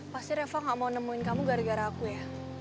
pasti reva gak mau nemuin kamu gara gara aku ya